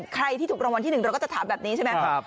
ใครที่ถูกรางวัลที่๑เราก็จะถามแบบนี้ใช่ไหม